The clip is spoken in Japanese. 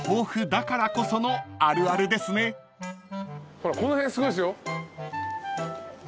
ほらこの辺すごいですよ。